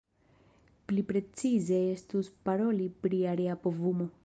Pli precize estus paroli pri area povumo.